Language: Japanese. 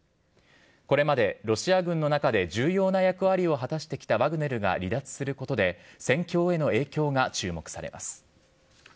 これまでロシア軍の中で重要な役割を果たしてきたワグネルが離脱することで、戦況への影響が注目されます。